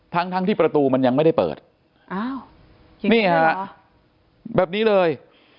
ทั้งที่ประตูมันยังไม่ได้เปิดนี่ค่ะแบบนี้เลย